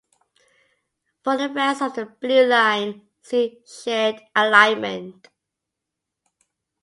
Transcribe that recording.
For the rest of the Blue Line, see "Shared alignment".